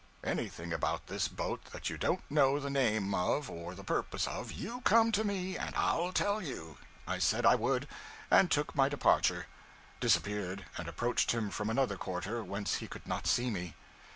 'Anything about this boat that you don't know the name of or the purpose of, you come to me and I'll tell you.' I said I would, and took my departure; disappeared, and approached him from another quarter, whence he could not see me.